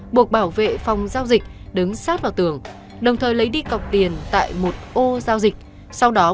bộ bảo vệ đối tượng đối tượng dùng roi điện vào vật giống khẩu súng ngắn đe dọa